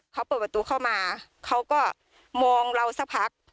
เขาเปิดประตูเข้ามาเขาก็มองเราสักพัก